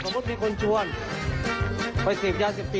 มันติดเสร็จใช่ไหมต้องมีวิธี